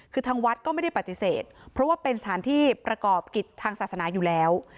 คือทางวัดก็ไม่ได้ปฏิเสธเพราะว่าเป็นสถานที่ประกอบกิจทางศาสนาอยู่แล้ว